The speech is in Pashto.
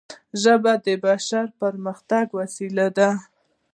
ژبه د بشر د پرمختګ وسیله ده